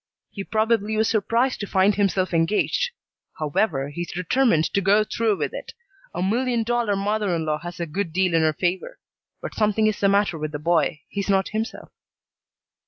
He probably was surprised to find himself engaged. However, he's determined to go through with it. A million dollar mother in law has a good deal in her favor. But something is the matter with the boy. He's not himself."